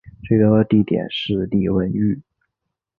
最高地点是礼文岳。